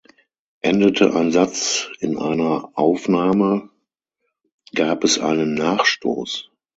Endete ein Satz in einer Aufnahme gab es einen Nachstoß.